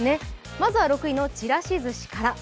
まずは６位のちらし寿司から。